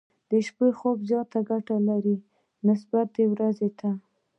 د شپې خوب زياته ګټه لري، نسبت د ورځې ته.